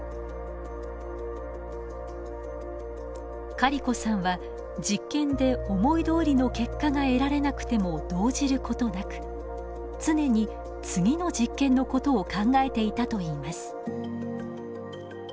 カリコさんは実験で思いどおりの結果が得られなくても動じることなく常に次の実験のことを考えていたといいます。